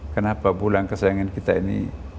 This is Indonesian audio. kenapa bulan kesayangan kita ini